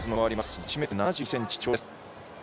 １ｍ７２ｃｍ、長身です。